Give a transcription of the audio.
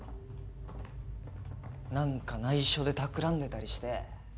なんか内緒でたくらんでたりして。